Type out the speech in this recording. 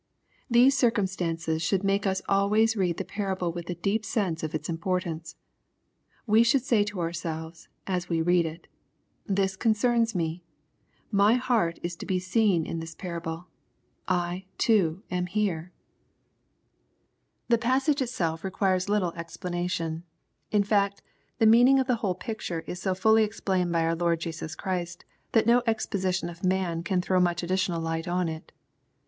These circumstances should make us always read the parable with a deep sense of its impor tance. We should say to ourselves, as we read it :" This concerns me. My heart is to be seen in this parable. I, too, am here." 11* 250 BXPOSITORT THOUGHTS. The passagB itself requires little explanation. In fact, the meaning of the whole picture is so fully explained by our Lord Jesus Christy that no exposition of man can throw much additional light on it.